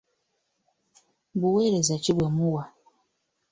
Buweereza ki bwe muwa?